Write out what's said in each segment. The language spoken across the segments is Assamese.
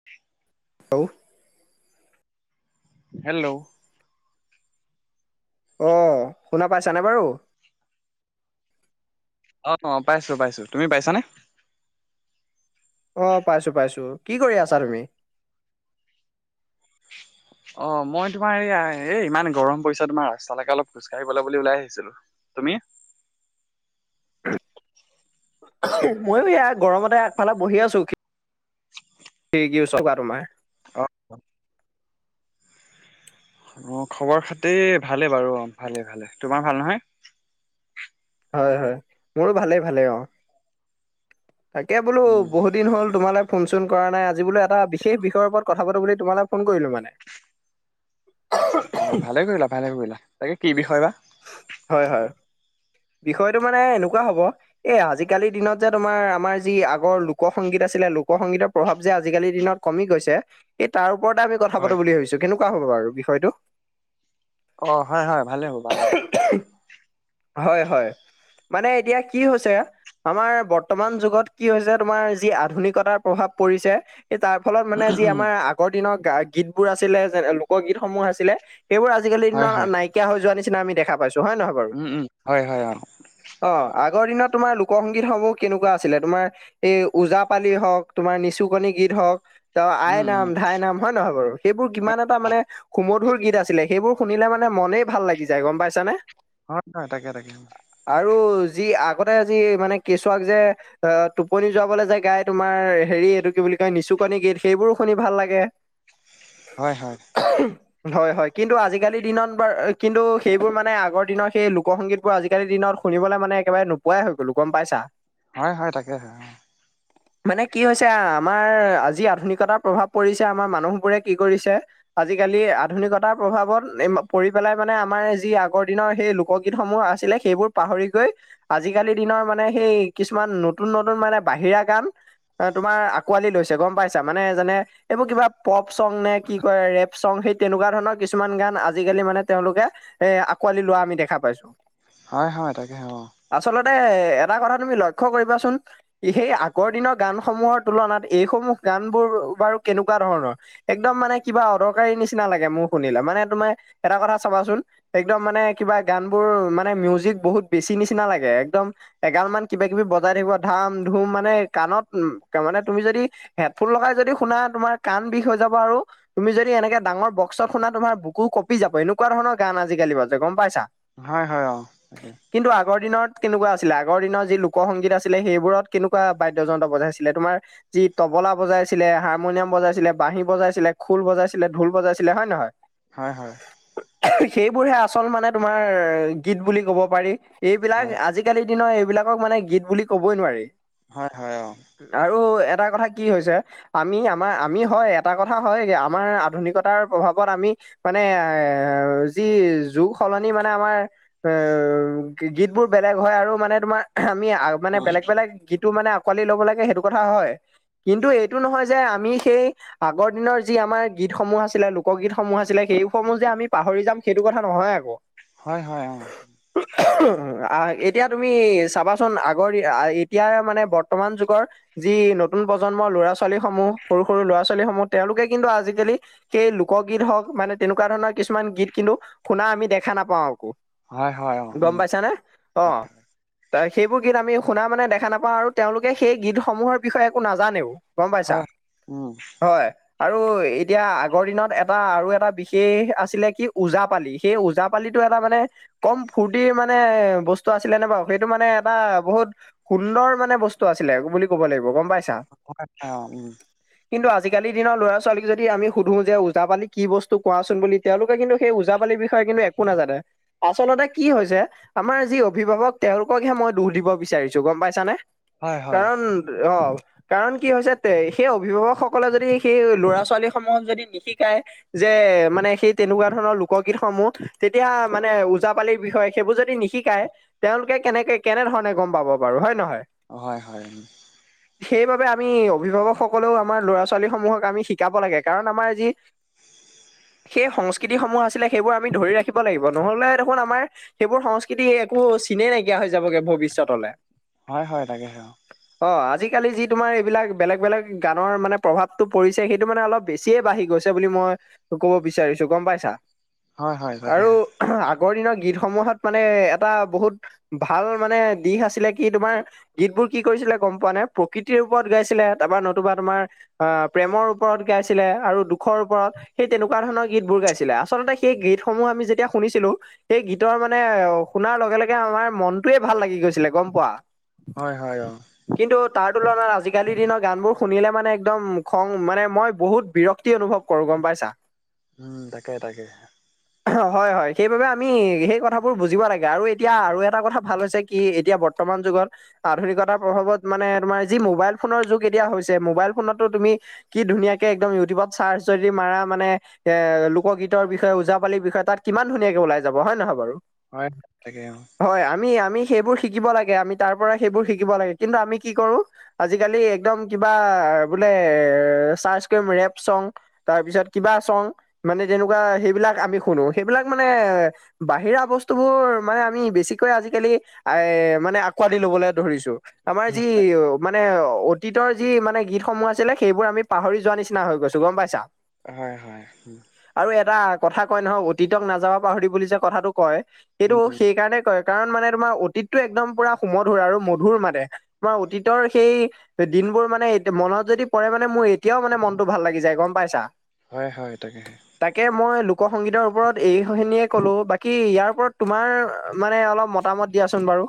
[inaudible] অওঁ। হেল্ল'। অ, শুনা পাইছানে বাৰু? অ, পাইছো পাইছো তুমি পাইছানে? অ, পাইছো পাইছো। কি কৰি আছা তুমি? অ, মই তোমাৰ এইয়া এই ইমান গৰম পৰিচ তোমাৰ ৰাস্তালৈকে অলপ খোজকাঢ়িবলৈ বুলি ওলাই আহিছিলো। তুমি? ময়ো এয়া গৰমতে আগফালে বহি আছো। [unintelligible] তোমাৰ অ অঁ খবৰ খাতি ভালেই বাৰু অঁ ভালেই ভালে তোমাৰ ভাল নহয়? হয় হয় মোৰো ভালেই ভালেই অ। তাকে বোলো উম, বহুত দিন হ'ল তোমালে ফোন চোন কৰা নাই আজি বোলে এটা বিশেষ বিষয়ৰ ওপৰত কথা পাতো বুলি তোমালে ফোন কৰিলো মানে। অ, ভালে কৰিলা ভালে কৰিলা তাকে কি বিষয় বা? হয় হয় বিষয়টো মানে এনেকুৱা হব। এ আজিকালিৰ দিনত যে তোমাৰ আমাৰ যি আগৰ লোক সংংগীত আছিলে লোকসংগীতৰ প্ৰভাৱ যে আজিকালিৰ দিনত কমি গৈছে এই তাৰ ওপৰতে আমি কথা পাতো হয়। বুলি ভাবিছো কেনেকুৱা হ'ব বাৰু বিষয়টো। অ, হয় হয় ভালে হ'ব ভালেই হ'ব। ইহ, হয় হয় মানে এতিয়া কি হৈছে আমাৰ বৰ্তমান যুগত কি হৈছে তোমাৰ যি আধুনিকতাৰ প্ৰভাৱ পৰিছে এই তাৰ ফলত মানে যি আমাৰ আগৰ দিনৰ গা গীতবোৰ আছিলে যে লোকগীতসমূহ আছিলে, সেইবোৰ আজ আজিকালি দিনত হয় হয় নাইকিয়া হৈ যোৱা নিচিনা আমি দেখা পাইছো হয় নহয়? বাৰু উম উম হয় হয় অ অ আগৰ দিনত তোমাৰ লোক - সংংগীতসমূহ কেনেকুৱা আছিলে তোমাৰ এই ওজাপালি হওক, তোমাৰ নিচুকণী গীত হওক, ত উম উম আইনাম, ধাইনাম হয় নহয় বাৰু? সেইবোৰ কিমান এটা মানে সুমধুৰ গীত আছিলে সেইবোৰ শুনিলে মানে মনেই ভাল লাগি যায় গম পাইছা নে? হয় ন তাকে তাকে। আৰু যি আগতে যি মানে কেচুৱাক যে, আ টোপনি যোৱাবলৈ যে গাই তোমাৰ হেৰি এইটো কি বুলি কয় নিচুকনি গীত সেইবোৰো শুনি ভাল লাগে। হয় হয়। হয় হয় কিন্তু আজিকালিৰ দিনত বৰ কিন্তু, সেইবোৰ মানে আগৰ দিনৰ সেই এই এই এইবোৰ মানে আগৰ দিনৰ সেই লোকসংগীতবোৰ আজিকালিৰ দিনত শুনিবলৈ মানে একেবাৰে নোপোৱাই হৈ গলো গম পাইছা? হয় হয় তাকেহে অ'। [inaudible] মানে কি হৈছে আমাৰ আজি আধুনিকতাৰ প্ৰভাৱ পৰিছে, আমাৰ মানুহবোৰে কি কৰিছে। আজিকালি আধুনিকতাৰ প্ৰভাৱত পৰি পেলাই মানে আমাৰ, যি আগৰ দিনৰ সেই লোকগীতসমূহ আছিলে সেইবোৰ পাহৰি গৈ, আজিকালি দিনৰ মানে সেই কিছুমান নতুন নতুন মানে বাহিৰা গান, অ, তোমাৰ আকোৱালি লৈছে গম পাইছা মানে এজনে এইবোৰ কিবা, প'প চং নে কি কয় ৰেপ চং সেই তেনেকুৱা ধৰণৰ কিছুমান গান আজিকালি মানে তেওঁলোকে। এ আঁকোৱালি লোৱা আমি দেখা পাইছো। হয় হয় তাকে হয় অঁ। আচলতে এটা কথা তুমি লক্ষ্য কৰিবাচোন? এইখিনী আগৰ দিনৰ গানসমূহৰ তুলনাত এইসমূহ গানবোৰ বাৰু কেনেকুৱা ধৰণৰ? একদম মানে কিবা অদৰকাৰী নিচিনা লাগে মোৰ শুনিলে মানে তোমাৰ এটা কথা চাবাচোন? একদম মানে কিবা গানবোৰ মানে মিউজিক বহুত বেছি নিচিনা লাগে, একদম, এগাল মান কিবা - কিবি বজাই থাকিব ধাম - ধুম মানে কাণত উম মানে তুমি যদি, হেডফোন লগাই যদি শুনা তোমাৰ কাণ বিষ হৈ যাব আৰু, তুমি যদি এনেকে ডাঙৰ বক্সত শুনা তোমাৰ বুকু কপি যাব এনেকুৱা ধৰণৰ গান আজিকালি বাজে গম পাইছা? হয় হয় অ তাকে। কিন্তু আগৰ দিনত কেনেকুৱা আছিলে, আগৰ দিনত যি লোকসংগীত আছিলে সেইবোৰত কেনেকুৱা বাদ্যযন্ত্ৰ বজাইছিলে তোমাৰ, যি তবলা বজাইছিলে, হাৰমনিয়াম বজাইছিলে, বাঁহী বজাইছিলে, খোল বজাইছিলে, ঢোল বজাইছিলে হয় নে নহয়? হয় হয়। সেইবোৰহে আচল মানে তোমাৰ গীত বুলি ক'ব পাৰি, এইবিলাক হয় আজি কালি দিনৰ এইবিলাকক মানে গীত বুলি ক'বয়ে নোৱাৰি। হয় হয় অ। আৰু এটা কথা কি হৈছে আমাৰ হয় এটা কথা হয়, আমাৰ আধুনিকতাৰ প্ৰভাৱত আমি মানে এ যি যুগ সলনি মানে আমাৰ। এ গীতবোৰ বেলেগ হয় আৰু মানে তোমাৰ আমি মানে বেলেগ - বেলেগ গীতো মানে আকোৱালি ল'ব লাগে সেইটো কথা হয়, কিন্তু এইটো নহয় যে আমি সেই আগৰ দিনৰ যি আমাৰ গীতসমূহ আছিলে লোকগীতসমূহ আছিলে, সেই সমূহ যে আমি পাহৰি যাম সেইটো কথা নহয় আকৌ? হয় হয় অঁ। উ অহ আ এতিয়া তুমি চাবাচোন এতিয়া মানে বৰ্তমান যুগৰ যি নতুন প্ৰজন্মৰ ল'ৰা - ছোৱালীসমূহ, সৰু সৰু ল'ৰা - ছোৱালীসমূহ তেওঁলোকে কিন্তু আজিকালি। সেই লোকগীত হওক মানে তেনেকুৱা ধৰণৰ কিছুমান গীত। কিন্তু শুনা আমি দেখা নাপাওঁ আকৌ, হয় হয় অ গম উম পাইছানে অঁ। ত সেইবোৰ গীত আমি শুনা মানে দেখা নাপাওঁ আৰু তেওঁলোকে সেই গীতসমূহৰ বিষয়ে একো নাজানেও। গ'ম পাইছা, হয় উম হয়। আৰু এতিয়া আগৰ দিনত এটা আৰু এটা বিশেষ আছিলে কি ওজাপালি সেই ওজাপালিটো এটা মানে কম ফূৰ্তি মানে বস্তু আছিলে নে বাৰু, সেইটো মানে এটা বহুত সুন্দৰ মানে বস্তু আছিলে বুলি ক'ব লাগিব গম পাইছা [unintelligible] কিন্তু আজিকালি দিনৰ ল'ৰা-ছোৱালীক যদি আমি সুধো যে ওজাপালি কি বস্তু কোৱাচোন বুলি তেওঁলোকে কিন্তু সেই ওজাপালিৰ বিষয়ে কিন্তু একো নাজানে, আচলতে কি হৈছে আমাৰ যি অভিভাৱক তেওঁলোককহে মই দুখ দিব বিচাৰিছোঁ‌, গম পাইছানে? হয় হয় কাৰণ, অ'। কাৰণ কি হৈছে তে সেই অভিভাৱকসকলে যদি সেই ল'ৰা-ছোৱালী সমূহক যদি নিশিকায় যে মানে সেই তেনেকুৱা তেনে ধৰণৰ লোকগীতসমূহ, তেতিয়া মানে ওজাপালিৰ বিষয়ে, সেইবোৰ যদি নিশিকায় তেওঁলোকে কেনেকে কেনেধৰণে গম পাব বাৰু হয় নহয়? হয়-হয়। [inaudible] সেইবাবে আমি অভিভাৱকসকলেও আমাৰ ল'ৰা-ছোৱালীসমূহক আমি শিকাব লাগে, কাৰণ আমাৰ যি সেই সংস্কৃতিসমূহ আছিলে সেইবোৰ আমি ধৰি ৰাখিব লাগিব, নহ'লে দেখোন আমাৰ সেইবোৰ সংস্কৃতি একো চিনেই নাইকিয়া হৈ যাবগে ভৱিষ্যতলে। হয়-হয় তাকেহে অ'। অ, আজিকালি যি তোমাৰ এইবিলাক বেলেগ-বেলেগ গানৰ মানে প্ৰভাৱটো পৰিছে সেইটো মানে অলপ বেছিয়ে বাঢ়ি গৈছে বুলি মই ক'ব বিচাৰিছোঁ‌, গম পাইছা? হয় হয় আৰু তাকেহে [unintelligible] আগৰ দিনৰ গীতসমূহত মানে এটা বহুত ভাল মানে দিশ আছিলে কি তোমাৰ গীতবোৰ কি কৰিছিলে গম পোৱা নাই? প্ৰকৃতিৰ ওপৰত গাইছিলে, তাৰপৰা নতুবা তোমাৰ আহ, প্ৰেমৰ ওপৰত গাইছিলে আৰু দুখৰ ওপৰত সেই তেনেকুৱা ধৰণৰ গীতবোৰ গাইছিলে আচলতে সেই গীতসমূহ আমি যেতিয়া শুনিছিলোঁ সেই গীতৰ মানে শুনাৰ লগে-লগে আমাৰ মনটোৱেই ভাল লাগি গৈছিলে, গম পোৱা? হয়-হয় অ'। কিন্তু তাৰ তুলনাত আজিকালি দিনৰ গানবোৰ শুনিলে মানে একদম খং, মানে মই বহুত বিৰক্ত ক্তি অনুভৱ কৰো গম পাইছা? উম, তাকে-তাকে। হয়-হয়, সেইবাবে আমি সেই কথাবোৰ বুজিব লাগে আৰু এতিয়া আৰু এটা কথা ভাল হৈছে কি এতিয়া ব বৰ্তমান যুগত আধুনিকতাৰ প্ৰভাৱত মানে তোমাৰ যি মোবাইল ফোনৰ যুগ এতিয়া হৈছে, মোবাইল ফোনতো তুমি কি ধুনীয়াকে একদম ইউটিউবত চাৰ্চ যদি মাৰা মানে এ লোকগীতৰ বিষয়ে, ওজাপালিৰ বিষয়ে তাত কিমান ধুনীয়াকে ওলাই যাব হয় নহয় বাৰু? হয় তাকে অ'। হয় আমি-আমি সেইবোৰ শিকিব লাগে আমি তাৰপৰা সেইবোৰ শিকিব লাগে, কিন্তু আমি কি কৰো আজিকালি একদম কিবা বোলে চাৰ্চ কৰিম ৰেপ চং তাৰপিছত কিবা চং, মানে তেনেকুৱা সেইবিলাক আমি শুনো, সেইবিলাক মানে বাহিৰা বস্তুবোৰ মানে আমি বেছিকৈ আজিকালি এ মানে আকোঁৱালি লবলৈ ধৰিছোঁ‌। আমাৰ যি অ' মানে অতীতৰ যি মানে গীতসমূহ আছিলে সেইবোৰ আমি পাহৰি যোৱা নিচিনা হৈ গৈছোঁ‌, গম পাইছা? হয়-হয়। আৰু এটা কথা কয় নহয় অতীতক নাযাব পাহৰি বুলি যে কথাটো কয়, সেইটো উম সেইকাৰণে কয়। কাৰণ মানে তোমাৰ অতীতটো একদম পুৰা সুমধুৰ আৰু মধুৰ মানে, তোমাৰ অতীতৰ সেই- দিনবোৰ মানে মনত যদি পৰে মানে মোৰ এতিয়াও মানে মনটো ভাল লাগি যায় গম পাইছা। হয়-হয়, তাকেহে। তাকে মই লোক সংগীতৰ ওপৰত এইখিনিয়ে ক'লো বাকী' ইয়াৰ ওপৰত তোমাৰ মানে অলপ মতামত- দিয়াচোন বাৰু?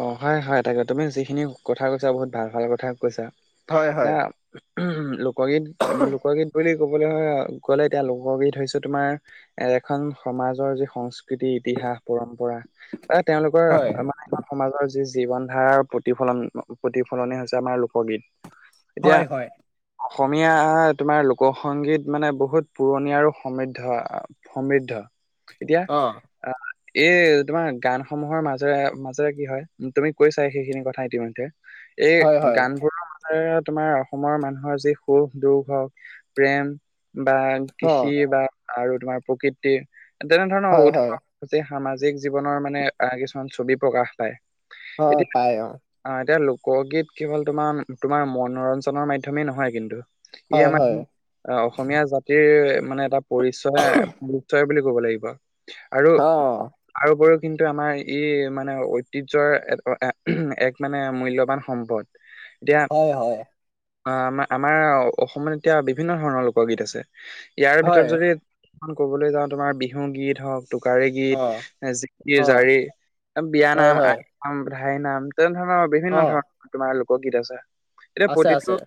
অ', -হয়-হয় তাকে, তুমি যিখিনি কথা কৈছা বহুত ভাল-ভাল কথা কৈছা। হয় হয় এতিয়া- লোকগীত, লোকগীত বুলি ক'বলৈ হয় গ'লে এতিয়া লোকগীত হৈছে তোমাৰ- এ' এখন সমাজৰ যি সংস্কৃতি, ইতিহাস, পৰম্পৰা বা তেওঁলোকৰ হয় মানে- আৰু সমাজৰ যি জীৱন ধাৰাৰ প্ৰতিফলন প্ৰতিফলনে হৈছে আমাৰ লোকগীত। হয় হয় এতিয়া- অসমীয়া তোমাৰ লোক সংগীত মানে বহুত পুৰণি আৰু সমৃদ্ধ। সমৃদ্ধ। অঁহ',। অহ', এই তোমাৰ গানসমূহৰ মাজেৰে মাজ- কি হয় তুমি কৈছাই সেইখিনি কথা ইতিমধ্যে। হয় এই হয় গানবোৰৰ- তোমাৰ অসমৰ মানুহৰ যি সুখ-দুখ হওঁক প্ৰেম- বা অ কৃষি বা আৰু তোমাৰ প্ৰকৃতি তেনে ধৰণৰ হয় হয় উৎসৱ- গোটেই সামাজিক জীৱনৰ মানে আঁহ' কিছুমান ছবি প্ৰকাশ পায়। হয়, পায় অঁ',। আঁহ', এতিয়া লোকগীত কেৱল তোমাৰ তোমাৰ মনোৰঞ্জনৰ মাধ্যমেই নহয় কিন্তু। ই হয় আমাৰ হয় অসমীয়া জাতিৰ মানে এটা- পৰিচয- পৰিচয় বুলি ক'ব লাগিব। আৰু- অ তাৰো ওপৰিও কিন্তু আমাৰ ই মানে- ঐতিহ্য এক মানে মূল্যবান সম্পদ। এতিয়া- হয় হয় আ-আমাৰ-আমাৰ অসমত এতিয়া বিভিন্ন ধৰণৰ লোকগীত আছে, ইয়াৰে ভিতৰত হয় যদি খন কবলৈ যাওঁ তোমাৰ বিহু গীত হওঁক, - টোকাৰী গীত, অ অ জ-জাৰি, বিয়া হয় নাম, - হয় আইনাম, দিহানাম তেনেধৰণৰ বিভিন্ন অ ধৰণৰ তোমাৰ লোকগীত আছে। এতিয়া আছে আছে প্ৰতিটো-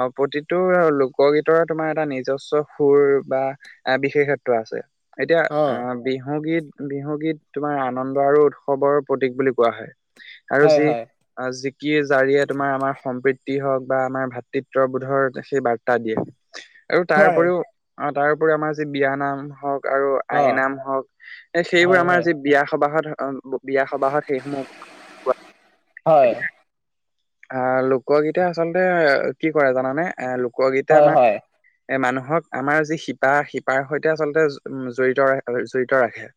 অঁ' প্ৰতিটোৰ লোকগীতৰে তোমাৰ এটা নিজস্ব সুৰ বা- এ' বিশেষত্ব আছে। এতিয়া অ আঁহ' বিহুগীত-বিহুগীত তোমাৰ আনন্দ আৰু উৎসৱৰ প্ৰতীক বুলি- কোৱা হয়। আৰু হয় যি- হয় আঁহ' যি কি জাৰিয়ীয়ে তোমাৰ আমাৰ সম্প্ৰীতি হওঁক বা আমাৰ ভাতৃত্ববোধৰ সেই বাৰ্ত তা'ত দিয়ে। আৰু হয় তাৰপৰিও, তাৰপৰিও আমাৰ যি বিয়া নাম হওঁক- আৰু অ আইনাম হওঁক এ' হয় সেইবোৰ হয় আমাৰ যি বিয়া সবাহত বিয়া সবাহত সেইসমূহ হয়। আঁহ' লোকগীতে আচলতে কি কৰে জানানে এ' লোকগীতে হয় আমাৰ- এ' মানুহক আমাৰ যি শিপা-শিপাৰ সৈতে আচলতে উ-জড়িত-জড়িত ৰাখে।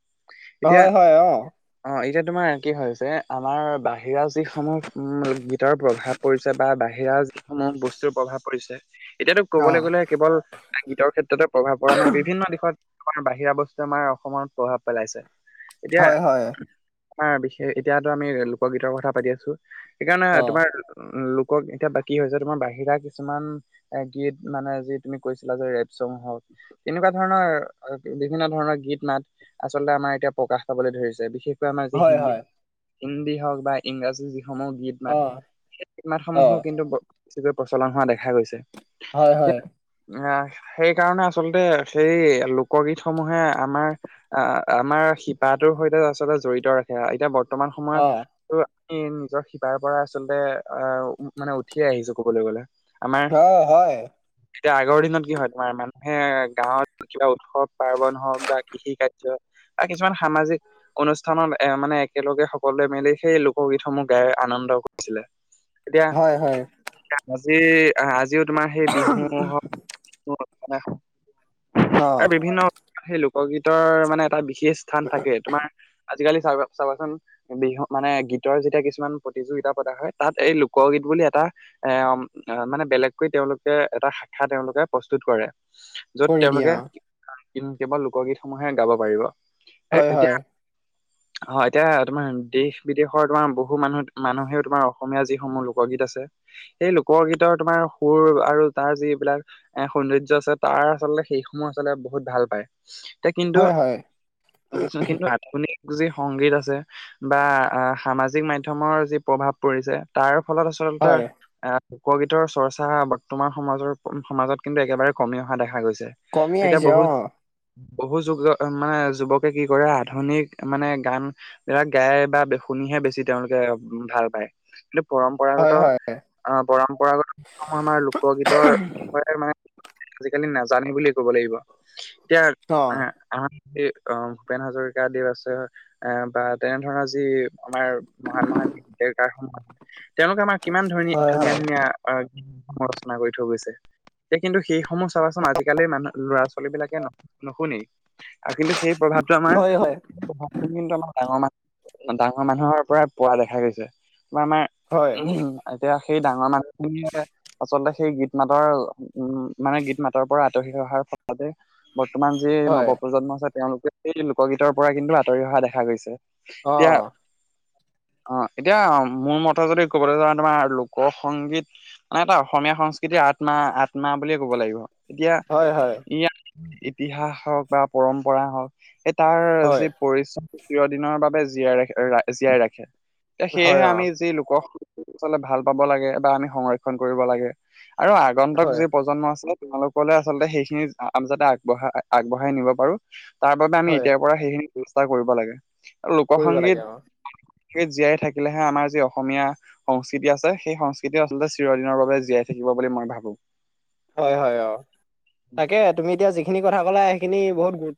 হয়-হয়, অঁ',। অঁ', এতিয়া তোমাৰ কি হৈছে আমাৰ বাহিৰা যি- সমূহ উম' গীতৰ প্ৰভাৱ পৰিছে বা বাহিৰা যিসমূহ বস্তুৰ প্ৰভাৱ পৰিছে- এতিয়াতো ক'বলৈ অ গ'লে কেৱল গীতৰ ক্ষেত্ৰতে প্ৰভাৱ পৰা নাই বিভিন্ন দিশত আমাৰ বাহিৰা বস্তু আমাৰ অসমত প্ৰভাৱ পেলাইছে। এতিয়া, আমাৰ বিশেষ এতিয়াতো আমি লোকগীতৰ কথা পাতি আছো। সেইকাৰণে তোমাৰ উম' লোকক এতিয়া কি হৈছে তোমাৰ বাহিৰা কিছুমান গীত মানে যি তুমি কৈছিলা যে ৰেপচং হ'ওক। তেনেকুৱা ধৰণৰ বিভিন্ন ধৰণৰ গীত মাত আচল্ততে আমাৰ এতিয়া প্ৰকাশ পাবলৈ ধৰিছে, বিশেষ কৈ আমাৰ যি হয় হিন্দী, হয় হিন্দী হ'ওক বা ইংৰাজী যিসমূহ গীত অ মাত সেইমাত হয় হয় অ অ সমূহো কিন্তু বেছিকৈ প্ৰচলন হোৱা দেখা গৈছে। হয়, হয়। আহ, সেইকাৰণে আচলতে সেই লোকগীত সমূহে আমাৰ আহ, আমাৰ শিপাটোৰ সৈতে আচলতে জড়িত ৰাখে এতিয়া বৰ্তমান অ সময়ত ত নিজৰ শিপাৰ পৰা আচলতে আহ, মানে উঠিয়ে আহিছো ক'বলৈ গ'লে। আমাৰ অ', হয়। এতিয়া আগৰ দিনত কি হয়, তোমাৰ মানুহে গাঁৱত কিবা উৎসৱ-পাৰ্বন হ'ওক বা কৃষি-কাৰ্য। বা কিছুমান সামাজিক অনুষ্ঠানত এ মানে একেলগে সকলোৱে মিলি সেই লোক গীতসমূহ গাই আনন্দ কৰিছিলে। এতিয়া হয়, হয়। আজি আজিও তোমাৰ সেই বিহু হ'ওক অ বিভিন্ন সেই লোকগীতৰ মানে এটা বিশেষ স্থান থাকে তোমাৰ আজি কালি চ-চাবাচোন বিহু মানে গীত গীতৰ যেতিয়া কিছুমান প্ৰতিযোগিতা পতা হয়, তাত এই লোকগীত বুলি এটা এ মানে বেলেগকৈ তেওঁলোকে এটা শাখা তেওঁলোকে প্ৰস্তুত কৰে। য'ত কৰি দিয়ে তেওঁলোকে অ কেৱল লোকগীতসমূহে গাব পাৰিব। হয়, হয়। অ', এতিয়া তোমাৰ দেশ বিদেশৰ তোমাৰ বহু মানুহ মানুহেও তোমাৰ অসমীয়া যিসমূহ লোকগীত আছে। এই লোকগীতৰ তোমাৰ সুৰ আৰু তাৰ যিবিলাক এ সৌন্দৰ্য আছে, তাৰ আচলতে সেই সমূহ আচলতে বহুত ভাল পায়। তে কিন্তু হয় হয় কিছুমান কিন্তু আধুনিক যি সংগীত আছে বা সামাজিক মাধ্যমৰ যি প্ৰভাৱ পৰিছে। তাৰ ফলত আচলতে হয় এ লোকগীতৰ চৰ্চা বৰ্তমান সমাজৰ সমাজত কিন্তু একেবাৰে কমি অহা দেখা গৈছে। কমি এতিয়া আহিছে অ বহুত বহুত যুগ মানে যুৱকে কি কৰে আধুনিক মানে গানবিলাক গাই বা শুনিহে বেছি তেওঁলোকে ভাল পায়, কিন্তু হয় পৰম্পৰাগত হয় আহ, পৰম্পৰাগত [unintelligible] সমূহ আমাৰ লোকগীতৰ মানে আজিকালি নাজানেই বুলিয়ে ক'ব লাগিব। এতিয়া অ আহ, আমাৰ এ ভূপেন হাজৰিকাদেৱ আছে এ বা তেনে ধৰণৰ যি আমাৰ মহান মহান গীতিকাৰ সমূহ আছিল। তেওঁলোকে আমাৰ কিমান ধ-ধুনীয়া হয় হয় ধুনীয়া [unintelligible] ৰচনা কৰি থৈ গৈছে। এই কিন্তু সেইসমূহ চাবাচোন আজিকালিৰ মানুহ ল'ৰা-ছোৱালী বিলাকে নুশুনেই আৰু কিন্তু সেই প্ৰভাৱটো আমাৰ হয় হয় সেই প্ৰভাৱ খিনি কিন্তু আমাৰ ডাঙৰ মানুহ ডাঙৰ মানুহৰ পৰাই পোৱা দেখা গৈছে বা আমাৰ হয় এতিয়া সেই ডাঙৰ মানুহখিনিয়ে আচলতে সেই গীত মাতৰ উ, মানে গীত মাতৰ পৰা আঁতৰি অহাৰ ফলতে। বৰ্তমান যি হয় নৱপ্ৰজন্ম আছে তেওঁলোকে সেই লোকগীতৰ পৰা কিন্তু আঁতৰি অহা দেখা গৈছে। অ এতিয়া অ', এতিয়া মোৰ মতে যদি ক'বলৈ যাওঁ তোমাৰ লোক সংগীত। মানে এটা অসমীয়া সংস্কৃতিৰ আত্মা আত্মা বুলিয়ে ক'ব লাগিব। এতিয়া হয়, হয়। ইয়াৰ ইতিহাস হওক বা পৰম্পৰা হওক এই তাৰ হয় যি পৰিচয়, চিৰদিনৰ বাবে জীয়াই ৰাখ জীয়াই ৰাখে তে হয় সেয়েহে অ আমি যি লোক চলে ভাল পাব লাগে বা আমি সংৰক্ষন কৰিব লাগে আৰু আগন্তক হয় যি প্ৰজন্ম আছে তোলোকলৈ আচলতে সেইখিনি আমি যাতে আগবঢ়া আগবঢ়াই নিব পাৰো তাৰ বাবে আমি হয় এতিয়াৰ পৰা সেইখিনি ব্যৱস্থা কৰিব লাগে আৰু কৰিব লাগে লোকসংগীত। অ সেই জীয়াই থাকিলেহে আমাৰ যি অসমীয়া সংস্কৃতি আছে সেই সংস্কৃতি আচলতে চিৰদিনৰ বাবে জীয়াই থাকিব বুলি মই ভাবো। হয় হয় অ তাকে তুমি এতিয়া যিখিনি কথা কলা সেইখিনি বহুত গুৰুত্ব।